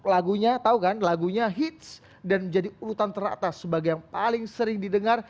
lagunya tau kan lagunya hits dan menjadi urutan teratas sebagai yang paling sering didengar